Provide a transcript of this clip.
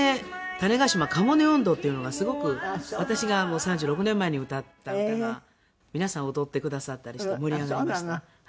『種子島カモネ音頭』っていうのがすごく私が３６年前に歌った歌が皆さん踊ってくださったりして盛り上がりました。